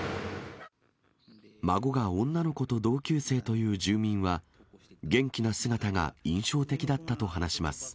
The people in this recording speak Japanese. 孫が女の子と同級生という住民は、元気な姿が印象的だったと話します。